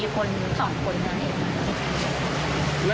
เพื่อนเป็นเพื่อน